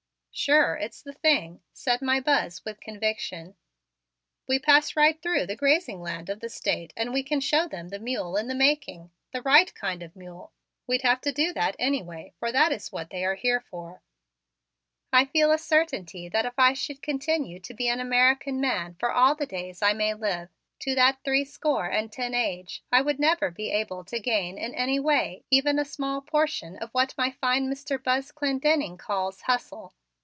"Sure, it's the thing," said my Buzz with conviction. "We pass right through the grazing land of the State and we can show them the mule in the making the right kind of mule. We'd have to do that anyway, for that is what they are here for." I feel a certainty that if I should continue to be an American man for all of the days I may live, to that three score and ten age, I would never be able to gain in any way even a small portion of what my fine Mr. Buzz Clendenning calls "hustle."